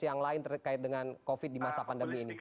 yang lain terkait dengan covid di masa pandemi ini